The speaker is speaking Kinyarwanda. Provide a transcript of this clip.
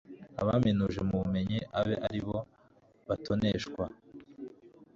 abaminuje mu bumenyi abe ari bo batoneshwa